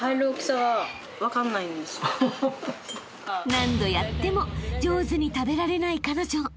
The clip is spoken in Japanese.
［何度やっても上手に食べられない彼女］